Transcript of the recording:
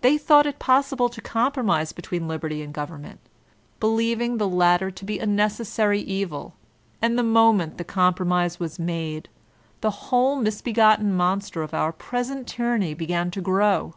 They thought it possible to com promise between liberty and government, believing the btter to be ''a necessary evir\ and the moment the com promise was made, the whole misbegotten monster of our 132 VOLTAIRINE DE ClEYRE present tyranny b^an to grow.